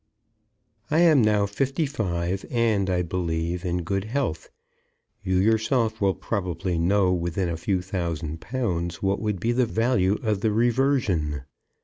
I am now fifty five, and, I believe, in good health. You yourself will probably know within a few thousand pounds what would be the value of the reversion.